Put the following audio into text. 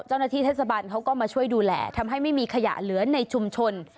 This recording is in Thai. เจ้าหน้าที่เทศบาลเขาก็มาช่วยดูแลทำให้ไม่มีขยะเหลือในชุมชน